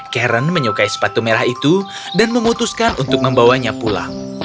karen menyukai sepatu merah itu dan memutuskan untuk membawanya pulang